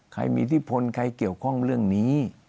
ใครมีอิทธิพลใครเกี่ยวข้องเรื่องนี้